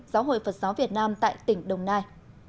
giáo hội phật giáo việt nam tại tỉnh đồng nai